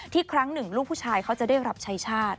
ครั้งหนึ่งลูกผู้ชายเขาจะได้รับใช้ชาติ